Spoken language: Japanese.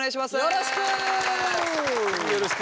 よろしく。